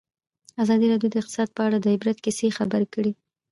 ازادي راډیو د اقتصاد په اړه د عبرت کیسې خبر کړي.